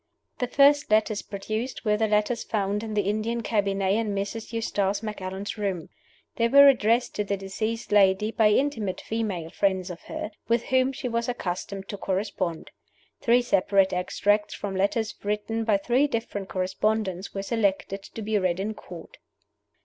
The first letters produced were the letters found in the Indian cabinet in Mrs. Eustace Macallan's room. They were addressed to the deceased lady by intimate (female) friends of hers, with whom she was accustomed to correspond. Three separate extracts from letters written by three different correspondents were selected to be read in Court.